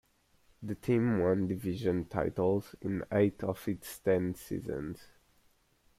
The team won division titles in eight of its ten seasons.